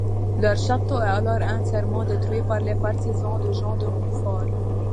Leur château est alors entièrement détruit par les partisans de Jean de Montfort.